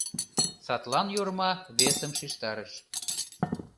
Садлан Йорма весым шижтарыш: